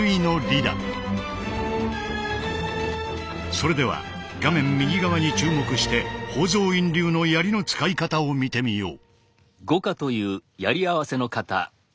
それでは画面右側に注目して宝蔵院流の槍の使い方を見てみよう。